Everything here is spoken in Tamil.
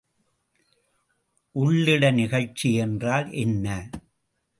உள்ளிட நிகழ்ச்சி என்றால் என்ன?